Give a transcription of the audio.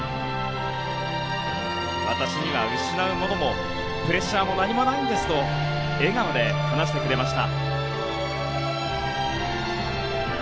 私には失うものもプレッシャーも何もないんですと笑顔で話してくれました。